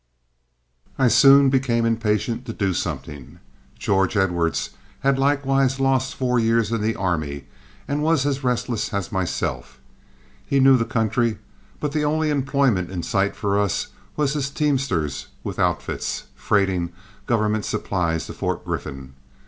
I soon became impatient to do something. George Edwards had likewise lost four years in the army, and was as restless as myself. He knew the country, but the only employment in sight for us was as teamsters with outfits, freighting government supplies to Fort Griffin.